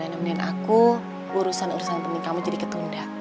gagalnya nemenin aku urusan urusan penting kamu jadi ketunda